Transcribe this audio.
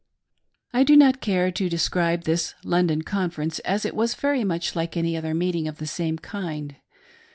I do not care to describe this London Conference, as it was very much like any other meeting of the same kind.